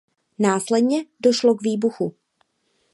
Následně došlo k výbuchu.